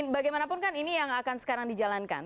bagaimanapun kan ini yang akan sekarang dijalankan